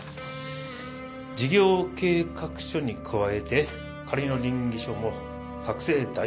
事業計画書に加えて仮の稟議書も作成代行する。